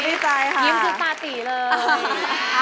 ดีใจค่ะยิ้มชุดตาติเลยเอ้า